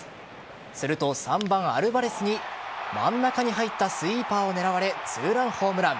すると３番アルバレスに真ん中に入ったスイーパーを狙われツーランホームラン。